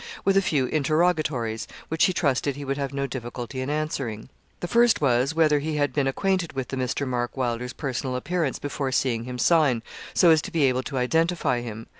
with a few interrogatories, which he trusted he would have no difficulty in answering.' The first was, whether he had been acquainted with Mr. Mark Wylder's personal appearance before seeing him sign, so as to be able to identify him.